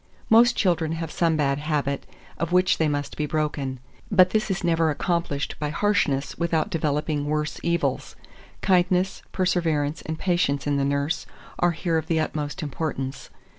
2399. Most children have some bad habit, of which they must be broken; but this is never accomplished by harshness without developing worse evils: kindness, perseverance, and patience in the nurse, are here of the utmost importance.